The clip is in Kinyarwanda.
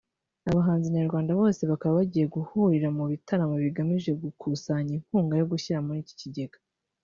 abahanzi nyarwanda bose bakaba bagiye guhurira mu bitaramo bigamije gukusanya inkunga yo gushyira muri iki kigega